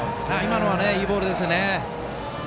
今のはいいボールですよね。